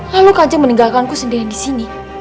lalu kanjeng meninggalkanku sendiri disini